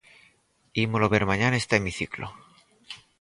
Ímolo ver mañá neste hemiciclo.